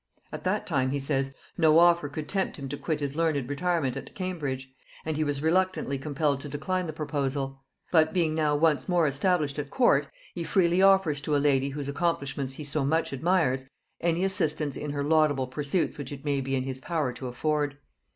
At that time, he says, no offer could tempt him to quit his learned retirement at Cambridge, and he was reluctantly compelled to decline the proposal; but being now once more established at court, he freely offers to a lady whose accomplishments he so much admires, any assistance in her laudable pursuits which it may be in his power to afford.